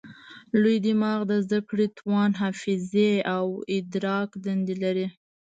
لوی دماغ د زده کړې، توان، حافظې او ادراک دندې لري.